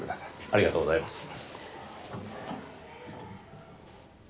ありがとうございます。